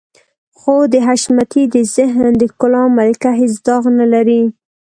خو د حشمتي د ذهن د ښکلا ملکه هېڅ داغ نه لري.